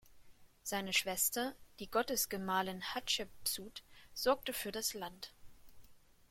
Seine Schwester, die Gottesgemahlin Hatschepsut, sorgte für das Land.